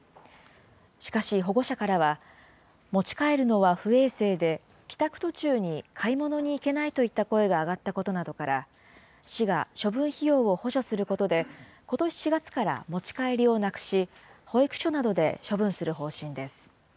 しかし保護者からは、持ち帰るのは不衛生で帰宅途中に買い物に行けないといった声が上がったことなどから、市が処分費用を補助することで、ことし４月から持ち帰りをなくし、保育所などで処分する方針です。